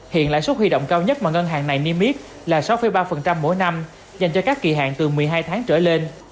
hiện lãi suất huy động cao nhất mà ngân hàng này niêm yết là sáu ba mỗi năm dành cho các kỳ hạn từ một mươi hai tháng trở lên